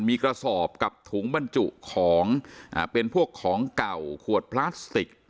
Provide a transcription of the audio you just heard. มีกระสอบกับถุงบรรจุของอ่าเป็นพวกของเก่าขวดพลาสติก